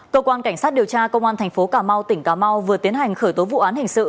cơ quan cảnh sát điều tra công an thành phố cà mau tỉnh cà mau vừa tiến hành khởi tố vụ án hình sự